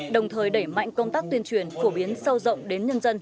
đồng thời đẩy mạnh công tác tuyên truyền phổ biến sâu rộng đến nhân dân